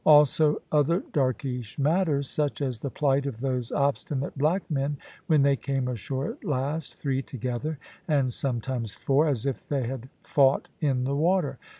Also other darkish matters, such as the plight of those obstinate black men when they came ashore at last, three together, and sometimes four, as if they had fought in the water.